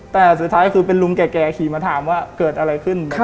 แต่สุดท้ายคือเป็นลุงแก่ขี่มาถามว่าเกิดอะไรขึ้น